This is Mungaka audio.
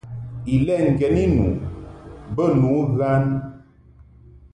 Ilɛ ŋgeni nu bə nu ghan.